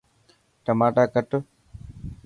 ٽماٽا ڪٽ.